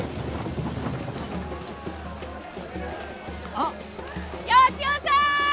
あっ吉雄さん！